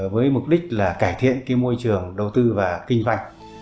với mục đích là cải thiện cái môi trường đầu tư và kinh doanh